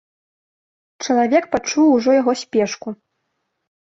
Чалавек пачуў ужо яго спешку.